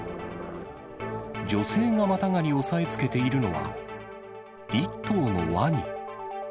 女性がまたがり押さえつけているのは、１頭のワニ。